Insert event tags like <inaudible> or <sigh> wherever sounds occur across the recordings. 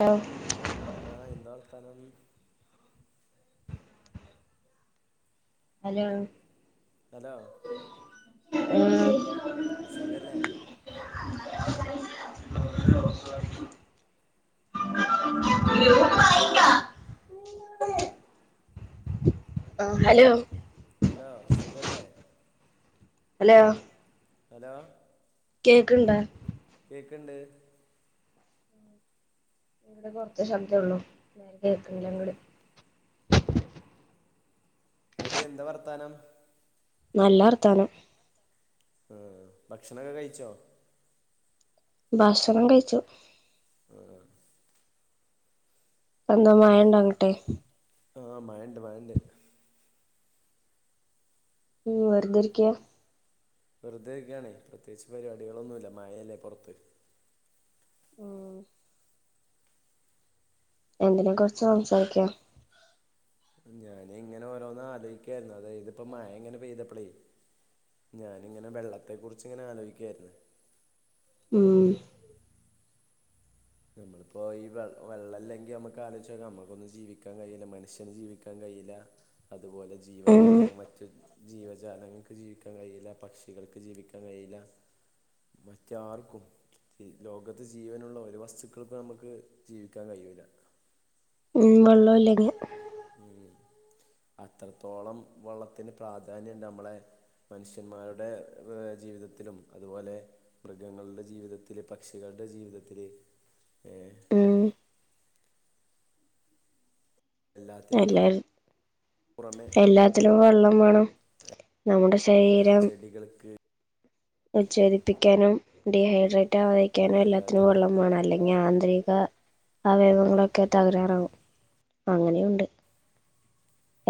Hello ആഹ് എന്താ വർത്താനം ഹലോ ഹലോ ആഹ് സുഖമല്ലേ <unintelligible> <inaudible> അ ഹലോ ഹലോ സുഖല്ലേ ഹലോ ഹലോ കേക്ക്ണ്ടോ കേക്ക്ണ്ട് ഇങ്ങടെ കൊറച്ച് ശബ്ദേ ഉള്ളു കേക്ക്ണില്ല ആഹ് ഇങ്ങോട്ട് ഇന്നിട്ട് എന്താ വർത്താനം നല്ല വർത്താനം ഏഹ് ഭക്ഷണൊക്കെ കഴിച്ചോ ഭക്ഷണം കഴിച്ചു ഏഹ് ഇപ്പെന്താ മഴണ്ടോ അങ്ങട്ട് ആഹ മഴണ്ട് മഴണ്ട് ഇയ് വെറുതെ ഇരിക്യ വെറുതേ ഇരിക്കാണേ പ്രത്യേകിച്ച് പരിപാടികളൊന്നുല്ല മഴയല്ലേ പൊറത്ത് ഓ എന്തിനെ കുറിച്ച സംസാരിക്യ ഞാനിങ്ങനെ ഓരോന്ന് ആലോയ്ക്കായിരുന്നു അതായത് ഇതിപ്പോ മഴ ഇങ്ങനെ പെയ്തപ്പളേ ഞാാനിങ്ങനെ വെള്ളത്തെ കുറിച്ച് ഇങ്ങനെ ആലോയ്ക്കായിരുന്നു മ് നമ്മളിപ്പോ ഈ വെള്ളല്ലെങ്കി നമ്മുക്ക് ആലോയ്‌ച്ചോക്ക നമ്മുക്കൊന്നും ജീവിക്കാൻ കഴിയില്ല മനഷ്യന് ജീവിക്കാൻ കഴിയില്ല അതുപോല ജീവ ഉം ജാലങ്ങൾ മറ്റ് ജീവജാലങ്ങൾക്ക് ജീവിക്കാൻ കഴിയില്ല പക്ഷികൾക്ക് ജീവിക്കാൻ കഴിയില്ല മറ്റാർക്കും ഈ ലോകത്ത് ജീവനുള്ള ഒരു വസ്തുവിനും ഇപ്പോ ഞമ്മക്ക് ജീവിക്കാൻ കയ്യൂല്ല ഉം വെള്ളല്ലെങ്കിൽ ഉം അത്രത്തോളം വെള്ളത്തിന് പ്രാധാന്യണ്ട് നമ്മളെ മനുഷ്യന്മാരുടെ ജീവിതത്തിലും ഏ അതുപോലെ മൃഗങ്ങളുടെ ജീവിതത്തിൽ പക്ഷികളുടെ ജീവിതത്തിൽ ഏ ഉം എല്ലാത്തിനൊക്കെ എല്ലാരും പുറമെ എല്ലാത്തിനും വെള്ളം വാണം നമ്മുടെ ശരീരം കിളികൾക്ക് ഉച്ഛേദിപ്പിക്കാനും ഡിഹൈഡ്രേറ്റ് ആവാതിരിക്കാനും എല്ലാത്തിനും വെള്ളം വേണം അല്ലെ ആന്തരിക അവയവങ്ങളൊക്കെ തകരാറും അങ്ങനെയുണ്ട്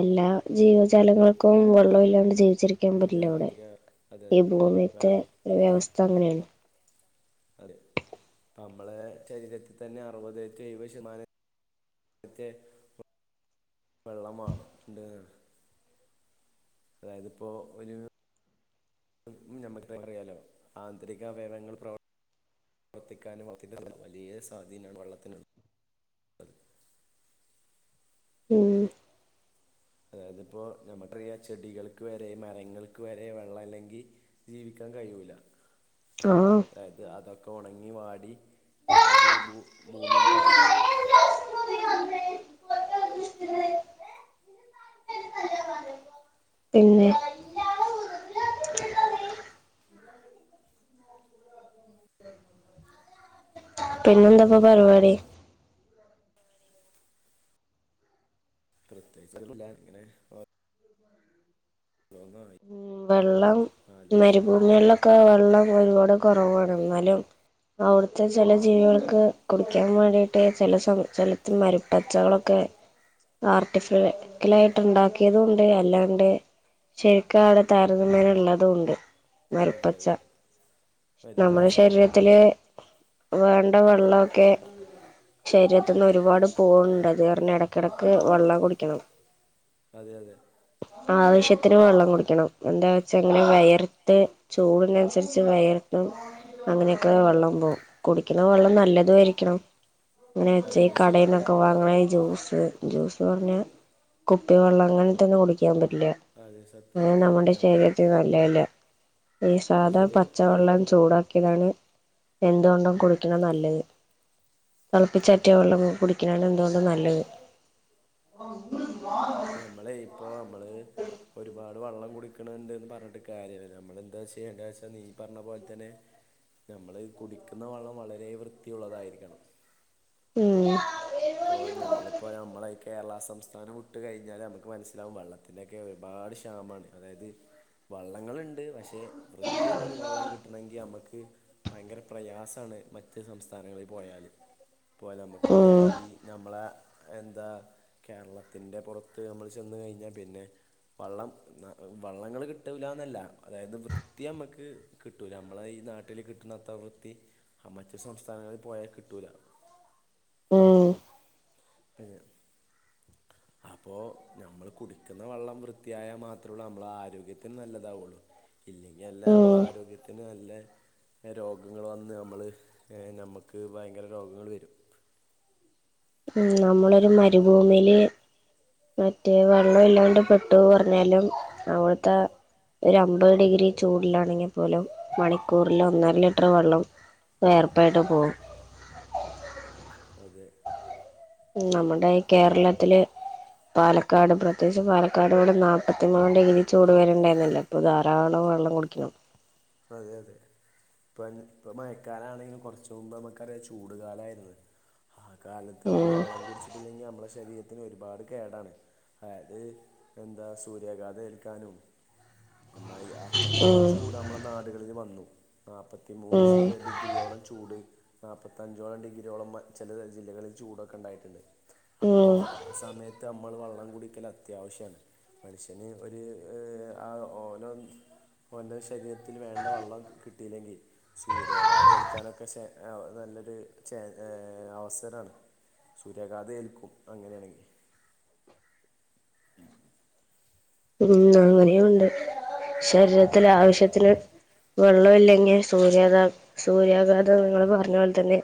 എല്ലാ ജീവജാലങ്ങൾക്കും വെള്ളം ഇല്ലാണ്ട് ജീവിച്ചിരിക്കാൻ ക്കാൻ അത് പറ്റില്ല അതിന് അത് ഈ ഭൂമീത്തെ വേണം വ്യവസ്ഥ അങ്ങനെയാണ് അതെ നമ്മളെ ശരീരത്തിൽ തന്നെ അറുപതെറ്റെ എഴുപത് ശതമാനം റ്റെ വെള്ളം മാണം അതായതിപ്പോ ഒരു നമ്മൾക്ക് അറിയാലോ ആന്തരിക അവയവങ്ങൾ പ്രവർ പ്രവർത്തിക്കാനും വലിയ സ്വാധീനം വെള്ളത്തിനുണ്ട് മ് അതായതിപ്പോ നമ്മുക്കറിയാം ചെടികൾക്ക് വരെ മരങ്ങൾക്ക് വരെ വെള്ളവില്ലെങ്കി ജീവിക്കാൻ കഴിയൂല ആഹ് അതായത് അതൊക്കെ ഉണങ്ങി വാടി അത് ഭൂ ഭൂമിയിൽ പതിക്കും പിന്നെ പിന്നെ എന്താപ്പൊ വേറെ പരിപാടി പ്രത്യേകിച്ചൊന്നുമില്ല ഇങ്ങനെ ഒ രോന്നായി ഉം വെള്ളം മരുഭൂമി വെള്ളവൊക്കെ ആഹ് വെള്ളം ഒരുപാട് കൊറവാണ് എന്നാലും അവിടുത്തെ ചെല ജീവികൾക്ക് കുടിക്കാൻ വേണ്ടിട്ട് ചെല ജലത്തി മരുപ്പച്ചകളൊക്കെ ആർട്ടിഫിക്കലായിട്ട് ഒണ്ടാക്കിയതും ഉണ്ട് അല്ലാണ്ട് ശെരിക്കാടെ താരതമ്യേനുള്ളതും ഒണ്ട് അതെ അതെ മരുപ്പച്ച നമ്മളെ പരിപ്പഴിച്ച ശരീരത്തിലെ വേണ്ട വെള്ളവൊക്കെ ശരീരത്ത്ന്ന് ഒരുപാട് പോവുണ്ട് അത് കാരണം എടക്കെടയ്ക്ക് വെള്ളം കുടിക്കണം അതെ അതെ നമ്മള് ആവശ്യത്തിന് വെള്ളം കുടിക്കണം എന്താ വെച്ചാ ഇങ്ങനെ വെയർത്ത് ചൂടിനനുസരിച്ച് വെയർത്തും അങ്ങനെയൊക്കെ വെള്ളം പോവും കുടിക്കണ വെള്ളം നല്ലതും ആയിരിക്കണം എങ്ങനെ വെച്ച അതെ ഈ അതെ ശ് കടേന്നൊക്കെ വാങ്ങണ ഈ ജ്യൂസ് ജ്യൂസ് ആ പറഞ്ഞ കുപ്പി വെള്ളം അങ്ങനത്തൊന്നും കുടിക്കാൻ പറ്റില്ല അത് സത്യം ഞമ്മള് നല്ലയല്ല ഈ സാധാ ശരിയാ പച്ചവെള്ളം ചൂടാക്കിയതാണ് എന്തുകൊണ്ടും കുടിക്കണ നല്ലത് തിളപ്പിച്ചാറ്റിയ വെള്ളം കുടിക്കണതാണ് എന്തുകൊണ്ടും നല്ലത് ഞമ്മളെ ഇപ്പോ ഞമ്മള് ഒരുപാ ട് വെള്ളം കുടുക്കണ് ഉണ്ട്ന്ന് പറഞ്ഞിട്ട് കാര്യല്ല നമ്മളെന്താ ചെയ്യണ്ടേ വെച്ചാൽ നീ പറഞ്ഞ പോലെ തന്നെ ഞമ്മള് കുടിക്കുന്ന വെള്ളം വളരെ വൃത്തിയുള്ളതായിരിക്കണം ഉം ഇപ്പോ ഞമ്മളിപ്പോ ഞമ്മളെ കേരള സംസ്ഥാനം വിട്ട് കഴിഞ്ഞാല് ഞമ്മക്ക് മനസ്സിലാവും വെള്ള ത്തിനൊക്കെ ഒരുപാട് ക്ഷാമാണ് അതായത് വള്ളങ്ങളുണ്ട് പക്ഷെ പക്ഷേ വൃത്തിയുള്ളൊരു വെള്ളം കിട്ടണെങ്കി ഞമ്മക്ക് ഭയങ്കര പ്രയാസാണ് മറ്റ് സംസ്ഥാനങ്ങളിൽ പോയാല് പോയാല് നമുക്കറിയാം ഉം ഈ ഞമ്മളെ എന്താ കേരളത്തിന്റെ പൊറത്ത് നമ്മള് ചെന്ന് കഴിഞ്ഞാ പിന്നെ വെള്ളം വെള്ളങ്ങള് കിട്ടൂലാന്നല്ല അതായത് വൃത്തി നമ്മക്ക് കിട്ടൂല നമ്മളെ ഈ നാട്ടിൽ കിട്ടുന്ന അത്ര വൃത്തി മറ്റ് സംസ്ഥാനങ്ങളിൽ പോയാ കിട്ടൂല ഉം കഴിഞ്ഞോ അപ്പോ ഞമ്മള് കുടിക്കുന്ന വെള്ളം വൃത്തിയായാ മാത്രള്ളൂ നമ്മളെ ആരോഗ്യത്തിന് നല്ലതാവൊള്ളൂ ഇല്ലെങ്കി അല്ല നമ്മളെ ഉം ആരോഗ്യത്തിന് നല്ലെ രോഗങ്ങള് വന്ന് നമ്മള് നമുക്ക് ഭയങ്കര രോഗങ്ങള് വരും ഉം അത് നമ്മളൊരു മരുഭൂമില് മറ്റേ വെള്ളയില്ലാണ്ട് പെട്ടു പറഞ്ഞാലും അവിടുത്തെ ഒരു അമ്പത് ഡിഗ്രി ചൂടിലാണെങ്കിപ്പോലും മണിക്കൂറിൽ ഒന്നര ലിറ്ററ് വെള്ളം വിയർപ്പായിട്ട് പോവും അതെ നമ്മുടെ ഈ കേരളത്തില് പാല പാലക്കാട് പ്രത്യേകിച്ച് പാലക്കാട് ‌ ഇവടെ നാൽപ്പത്തി മൂന്ന് ഡിഗ്രി ചൂട് വരേണ്ടാരുന്നില്ലേ അപ്പോ ധാരാളം വെള്ളം കുടിക്കണം അതെ അതെ ഇപ്പൻ ഇപ്പം മഴക്കാലാണെങ്കിലും കൊറച്ച് മുമ്പ് നമുക്കറിയാം ചൂട് കാലായിരുന്നു ആ കാലത്ത് നമ്മൾ ഉം വെള്ളം കുടിച്ചിട്ടില്ലെങ്കി നമ്മളെ ശരീരത്തിന് ഒരുപാട് കേടാണ് അത് എന്താ സൂര്യാഘാതം ഏൽക്കാനും അമ്മാതിരി ആഹ് അത്രത്തോളം ഉം ചൂട് അമ്മള നാടുകളില് വന്നു നാപത്തി മൂന്ന് ഉം ശ് ഡിഗ്രിയോളം ചൂട് നാപ്പ നാല്പത്തഞ്ചോളം ഡിഗ്രിയോളം മ ചെല ജില്ലകളിൽ ചൂടൊക്കെണ്ടായിട്ട്ണ്ട് അപ്പോ ഉം ആഹ് സമയത്ത് അ മ്മള് വള്ളം കുടിക്കല് അത്യാവശ്യാണ് മനുഷ്യന് ഒര് ആ ഓനോ ഓൻ്റെ ശരീരത്തില് വേണ്ട വള്ളം കിട്ടിയില്ലെങ്കിൽ സൂര്യാഘാത ഏൽക്കാനൊക്കെ ശേ നല്ലത് ഛെ ഏഹ് അവസരാണ് സൂര്യഗാധം ഏൽക്കും അങ്ങനേണെങ്കിൽ ഉം ഉം അങ്ങനെയും ഉണ്ട് അത് ശരീരത്തിലാവിശ്യത്തിന് വെള്ളം ഇല്ലെങ്ങിൽ സൂര്യാഗാതാ സൂര്യാഘാതം നിങ്ങള് പറഞ്ഞപോൽതന്നെ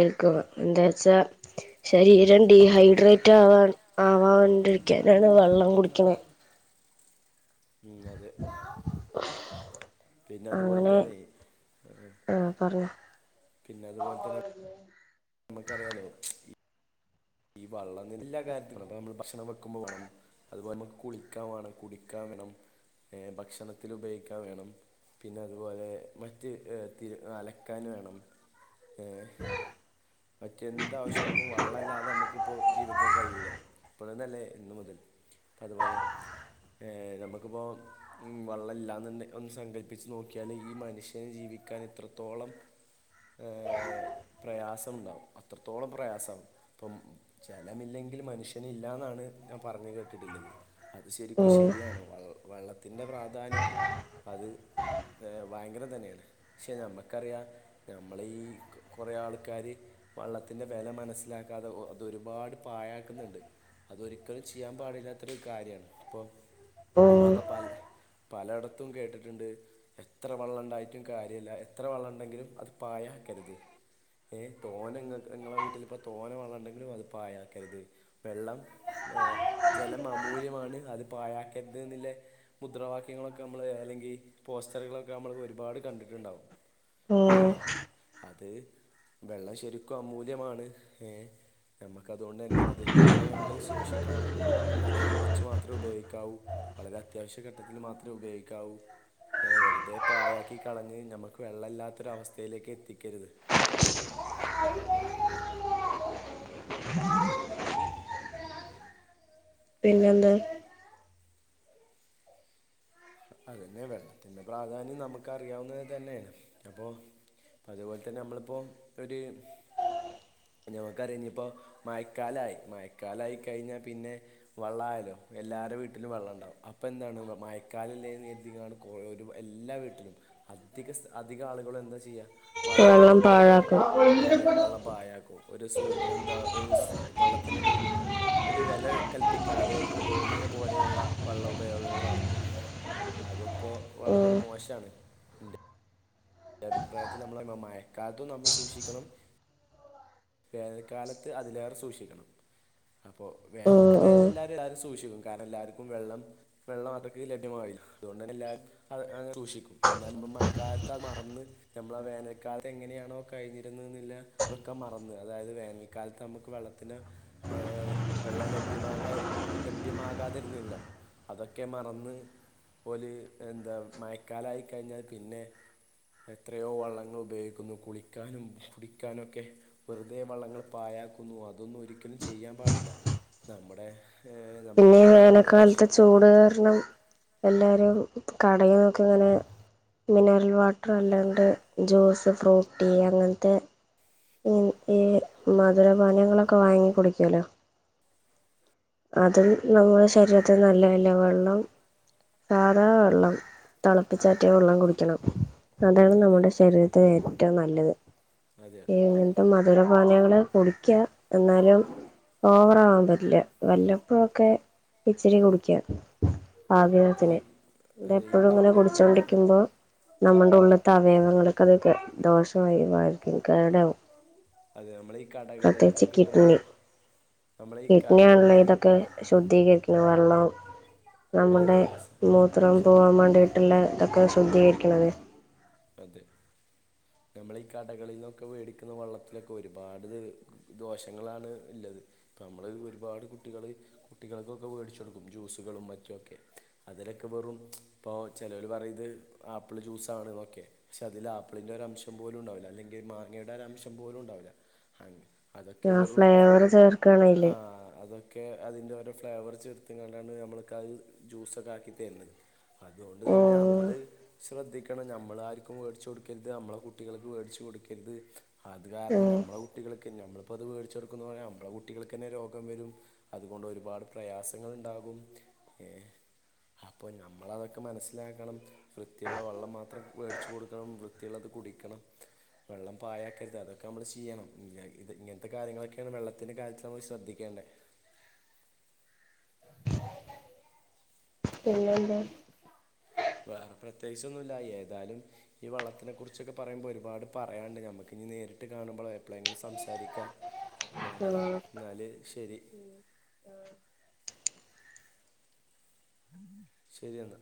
ഏൽക്കു എന്താവെച്ചാൽ <inaudible> ശരീരം ഡീഹൈഡ്രേറ്റ് ആവാൻ ആവാണ്ടിരിക്ക്യാനാണ് വള്ളം കുടിക്ക്ണേ ഉം അതെ <inaudible> പിന്നെ അത്പോൽ തന്നെ പറിയ പിന്നെ അത്പോൽതന്നെ നമ്മക്കറിയാലോ ഈ വള്ളം എല്ലാ കാര്യത്തിലും വാണം അപ്പ അമ്മള് ഭക്ഷണം വെക്കുമ്പവാണം അതുപോലെ നമ്മക്ക് കുളിക്കാവാണം കുടിക്കാവേണം ഏഹ് ഭക്ഷണത്തിൽ ഉപയോഗിക്കാൻ വേണം പിന്നെ അതുപോലെ മറ്റ് തി അലക്കാന് വേണം ഏഹ് മറ്റെന്തവിശ്യങ്ങൾക്കും വള്ളല്ലാതെ അമ്മക്ക്പ്പോ ജീവിക്കാൻ കഴിയൂല ഇപ്പതന്നെല്ലേ ഇന്ന്മുതല് അത്പോലെ ഏഹ് നമ്മക്ക്പ്പോ ഉം വള്ളല്ലാന്ന് ഒന്ന് സങ്കല്പ്പിച്ച് നോക്കിയാല് ഈ മനുഷ്യൻ ജീവിക്കാൻ ഇത്രത്തോളം ഏഹ് പ്രയാസംമുണ്ടാവും അത്രത്തോളം പ്രയാസാവും ഇപ്പം ജലമില്ലെങ്കിലും മനുഷ്യന് ഇല്ലാന്നാണ് ഞാപറഞ്ഞ് കേട്ടിട്ടുള്ളത് അത് ശെരിക്കും ഉം ശെരിയാണ് വ വള്ള വെള്ളത്തിൻ്റെ പ്രാധാന്യം അത് ഭയങ്കര തന്നേണ് പക്ഷെ നമ്മക്കറിയാം നമ്മള ഈ കൊറേ ആൾക്കാര് വള്ളത്തിന്റെവെല മനസ്സിലാ മനസ്സിലാക്കാതെ ഒ അതൊരുപാട് പായാക്ക്ന്ന്ണ്ട് അതൊരിക്കലും ചെയ്യാ പാടില്ലാത്തൊരു കാര്യാണ് ഇപ്പൊ ഉം നമ്മളൊക്കെ പല പലയിടത്തും കേട്ടിട്ട്ണ്ട് എത്ര വള്ളംണ്ടായിട്ടും കാര്യയില്ല എത്ര വള്ളണ്ടെങ്കിലും അത് പായകെര്ത് ഏഹ് തോനങ്ങക്ക്ങ്ങളെ വീട്ടിലിപ്പോ തോന വള്ളണ്ടെങ്കിലും അത് പായക്കര്ത് വെള്ളം ഏഹ് ജലം അമൂല്യമാണ് അത് പാഴാക്കര്ത് ന്നില്ലേ മുദ്രവാക്യങ്ങളൊക്കെ അമ്മള് അല്ലെങ്കി പോസ്റ്ററുകളൊക്കെ അമ്മള് ഒരുപാട് കണ്ടിട്ട്ണ്ടാവും ഊമ് ഏഹ് അത് വെള്ളം ശെരിക്കും അമൂല്യമാണ് ഏഹ് നമ്മക്ക് അതോണ്ടന്നെ അത് ത്രയുയമ്മള് സൂഷിക്കണം വളരെ കുറച്ച് മാത്രേ ഉപയോഗിക്കാവൂ. വളരെ അത്യാവശ്യഘട്ടത്തില് മാത്രേ ഉപയോഗിക്കാവൂ. ഏ വെറുതെപായാക്കികളഞ്ഞ് ഞമ്മക്ക് വെള്ളല്ലാത്തൊരവസ്ഥയിലേക്ക് എത്തിക്കരുത് പിന്നെന്താണ് അതന്നെ വെള്ളത്തിന്റെ പ്രാധാന്യം നമുക്ക റിയാവുന്നത് തന്നേണ് പിന്ന പ്പൊ അതുപോൽതന്നെ അമ്മളിപ്പോ ഒര് ഞമ്മക്കറിയ ഞ്ഞിപ്പോ മയക്കാലായി മയക്കാലായികഴിഞ്ഞാ പിന്നെ വള്ളായല്ലോ എല്ലാരവീട്ടിലും വെള്ളംണ്ടാവും അപ്പൊ എന്താണ്ന്നൊ മഴ കാലല്ലേന്ന് കര്തികാണു കോ ഒരു എല്ലാ വീട്ടിലും അധിക സ്ഥ അധികാളുകളും എന്താചെയ്യ വള്ളത്തിനൊര് പാഴാക്കും അതെ വള്ളംപായാക്കും ഒരു സ് എന്താ ഒരുസ് വള്ളത്തിനൊര് ഒരു വെല കൽപ്പിക്കാതെ തോന്നിയ പോലെയുള്ള വള്ള ഉപയോഗങ്ങൾ നടത്തും. അതൊക്കെ വളരെ ഉം മോശാണ്. എഭിപ്രായത്തിൽ നമ്മള മ മഴക്കാലത്തും നമ്മൾ സൂക്ഷിക്കണം വേനൽക്കാലത്ത് അതിലേറെ സൂക്ഷിക്കണം. അപ്പൊ ഉം വേനൽക്കത് ഉം എല്ലാരും എല്ലാരു സൂക്ഷിക്കും കാരണം എല്ലാരിക്കും വെള്ളം വെള്ളം അത്രയ്ക്ക് ലഭ്യമാവില്ല അതുകൊണ്ടു തന്നെ എല്ലാരും അത് അങ് സൂക്ഷിക്കും. എന്നാൽ നമ്മൾ മഴക്കാലത്ത് ത്തത് മറന്ന് നമ്മളാ വേനൽക്കാലങ്ങനെയാണോ കഴിഞ്ഞിരുന്ന്ന്നില്ലേ തൊക്കെ മറന്ന് അതായത് വേനൽ കാലത്ത് നമുക്ക് വെള്ളത്തിന് ഏഹ് വെള്ളം ലഭ്യമാകാരന്ന് ലഭ്യമാകാതിരുന്ന്ല്ലോ. അതൊക്കെ മറന്ന് ഓല് എന്താ മയക്കാലായിക്കഴിഞ്ഞാൽ പിന്നെ എത്രയോ വള്ളങ്ങൾ ഉപയോഗിക്കുന്നു കുളിക്കാനും കുടിക്കാനു ഒക്കെ. വെറുതെ വള്ളങ്ങൾ പായാക്കുന്നു. അതൊന്നു ഒരിക്കലും ചെയ്യാൻ പാടില്ല നമ്മുടെ ഏഹ് പിന്നെ നമ്മക്ക് വേനൽക്കാലത്തെ തന്നെയാണിതാവശ്യം. ചൂട് കാരണം എല്ലാരും കടയിന്നൊക്കിങ്ങനെ മിനറൽ വാട്ടർ അല്ലാണ്ട് ജ്യൂസ് ഫ്രൂട്ടീ അങ്ങൻത്തെ മ് ഈ മധുരപാനിയങ്ങളൊക്കെ വാങ്ങി കുടിക്കുവല്ലോ. അതും നമ്മുടെ ശരീരത്തിന് നല്ലെയല്ല. വെള്ളം സാധാ വെള്ളം തെളപ്പിച്ചാറ്റിയ വെള്ളം കുടിക്കണം. അതാണ് അതെ നമ്മുടെ ശരീരത്തി ത്ത് ഏറ്റവും നല്ലത്. അതെ അതെ. മധുരപാനിയങ്ങള് കുടിക്ക എന്നാലും ഓവറാവാൻ പറ്റില്ല. വല്ലപ്പഴൊക്കെ ഇച്ച്‌രി കുടിക്ക്യ. ആവ ഇപ്പം ത്തിന് ഈ അതെ ഈ ഇതെപ്പോഴും ങ്ങനെ മധുര നമ്മൾ കുടിച്ചോണ്ടിക്കുമ്പോ നമ്മുടുള്ളത്തെ അവയവങ്ങൾക്കത് കെ ദോഷവാ യിവായ്ക്കും കേടാവും. അതെ നമ്മളയീ കടകളിലൊക്കെ പ്രത്യേകിച്ച് കിട്ടുന്ന കിഡ്നി ഈനമ്മുടെ ഈ കടകളിലൊക്കെ കി ശുദ്ധീകരിക്ക്‌ന്ന വെള്ളം അതെ നമ്മുടെ അതെ സാർ മൂത്രം ശരി പോകാ വേണ്ടിയി ട്ടുള്ള ഇതൊക്കെ ശുദ്ധീകരിക്ക്‌ ണത് അതെ. നമ്മളീ കടകളീന്നൊക്കെ വേടിക്കുന്ന വള്ളത്തിലൊക്കെ ഒരുപാട് ദോഷങ്ങളാണ് ഇല്ലത് ഇപ്പ നമ്മള് ഒരുപാട് കുട്ടികള് കുട്ടികൾക്കൊക്കെ വേടിച്ച് കൊടുക്കും ജ്യൂസുകളും മറ്റുവൊ ക്കെ അതിലൊക്കെ വെറും ഇപ്പോ ചെലോല് പറയിത് ആപ്പിള് ജ്യൂസാണ് ന്നൊക്കെ ക്കെ പക്ഷെ അതിൽ ആപ്പിളിന്റെ ഒരംശം പോലുണ്ടാവില്ല. അല്ലെങ്കി മാങ്ങയുടെ ഒരംശം പോലുണ്ടാവില്ല അങ് അതൊക്കെ ആ വെറും ഫ്ലേവർ ചേർക്കാണയില് ആഹ് അതൊ ക്കെ അതിൻ്റെ ഓരോ ഫ്ലേവർ ചേർത്ത്ങ്ങണ്ടാണ് നമ്മൾക്കഹ് ജ്യൂസൊക്കെ ആക്കി തെരുന്നത് അതുകൊണ്ട് തന്നെ ഉം അമ്മള് ശ്രദ്ധിക്കണം ഞമ്മ മ്മളാർക്കും വേടിച്ചു കൊടുക്കെരുത് നമ്മളെ കുട്ടികൾക്ക് വേടിച്ചു കൊടുക്കെരുത് അത് കാരണം ഉം ഞമ്മളെ കുട്ടികൾക്ക് ഞമ്മളിപ്പോ അത് വേടിച്ചൊടുക്കുന്ന പോലെ നമ്മളെ കുട്ടികൾക്കെന്നെ രോഗം വരും. അതുകൊണ്ടൊരുപാട് പ്രയാസങ്ങൾ ഇണ്ടാകും ഏഹ് അപ്പോ ഞമ്മളതൊക്കെ മനസ്സിലാക്കണം വൃത്തിയുള്ള വെള്ളം മാത്രം വേടിച്ചു കൊടുക്കണം വൃത്തിയുള്ളത് കുടിക്കണം. വെള്ളം പായക്കരുത്. അതൊക്കെ. നമ്മൾ ചെയ്യണം. ഇയ ഇത് ഇങ്ങൻത്ത കാര്യങ്ങളൊക്കെയാണ് വെള്ളത്തിൻ്റെ കാര്യത്തിൽ നമ്മൾ ശ്രദ്ധിക്കേണ്ടേ പിന്നെന്താ വേറെ പ്രത്യേകിച്ചൊന്നുല്ല ഏതാലും ഈ വള്ളത്തിനെ കുറിച്ചൊക്കെ പറയുമ്പോ ഒരുപാട് പറയാന്ണ്ട് ഞമ്മക്ക് ഇനി നേരിട്ട് കാണുമ്പളേ എപ്പളെങ്കിലും സംസാരിക്കാ ഏഹ് ആ എന്നാല് ശെരി മ്മ്ഹ്. ശെരി എന്നാ